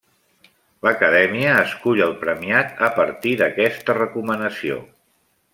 L'Acadèmia escull el premiat a partir d'aquesta recomanació.